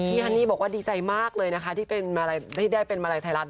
ฮันนี่บอกว่าดีใจมากเลยนะคะที่ได้เป็นมาลัยไทยรัฐ